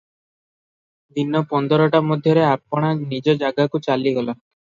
ଦିନ ପନ୍ଦରଟା ମଧ୍ୟରେ ଆପଣା ନିଜ ଯାଗାକୁ ଚାଲିଗଲା ।